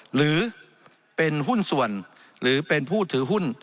หรือเป็นหุ้นส่วนหรือเป็นผู้ถือหุ้น